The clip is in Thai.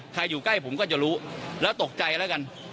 อยู่ใกล้ผมก็จะรู้แล้วตกใจแล้วกัน